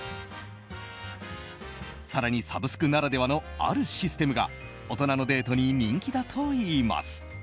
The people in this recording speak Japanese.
更に、サブスクならではのあるシステムが大人のデートに人気だといいます。